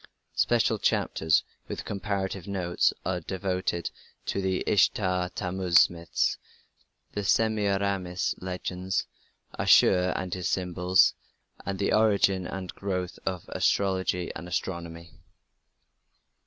Special chapters, with comparative notes, are devoted to the Ishtar Tammuz myths, the Semiramis legends, Ashur and his symbols, and the origin and growth of astrology and astronomy.